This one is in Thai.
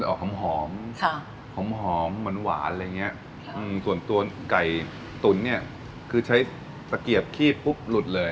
ใช่ป่ะมันเสาหอมมันหวานเลยส่วนตัวกไก่ตุ้นเนี่ยคือใช้สักเกียบคีบปุ๊บหลุดเลย